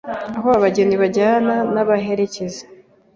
Aha abageni bajyana n’abaherekeza